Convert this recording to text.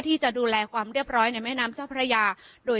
ที่จะดูแลความเรียบร้อยในแม่น้ำเจ้าพระยาโดย